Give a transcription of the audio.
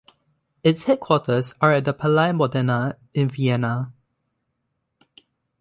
Its headquarters are at the Palais Modena in Vienna.